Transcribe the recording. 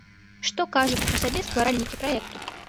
Што кажуць пра сябе стваральнікі праекту?